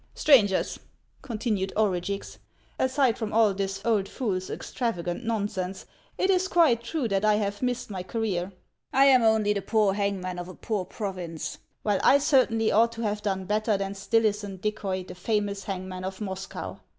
— Stran gers," continued Orugix, " aside from all this old fool's extravagant nonsense, it is quite true that I have missed my career. I am only the poor hangman of a poor prov ince. "Well, I certainly ought to have done better than Stillison Dickoy, the famous hangman of Moscow.